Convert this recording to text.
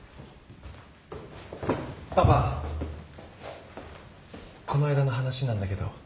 パパこの間の話なんだけど。